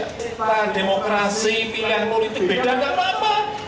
kita demokrasi pilihan politik beda gak apa apa